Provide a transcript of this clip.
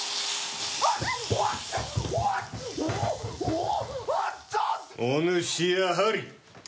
おぬしやはり。